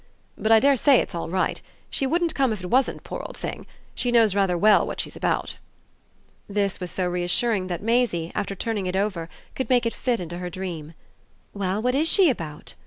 "But I dare say it's all right. She wouldn't come if it wasn't, poor old thing: she knows rather well what she's about." This was so reassuring that Maisie, after turning it over, could make it fit into her dream. "Well, what IS she about?"